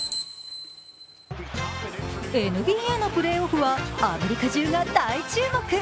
ＮＢＡのプレーオフはアメリカ中が大注目。